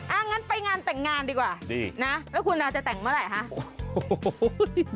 อ้างั้นไปงานแต่งงานดีกว่านะหรือคุณจะแต่งเมื่อไรค่ะดีโอ้